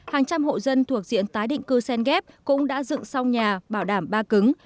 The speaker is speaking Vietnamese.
hàng trăm hộ dân thuộc diện tái định cư sen ghép cũng đã dựng xong nhà bảo đảm ba cứng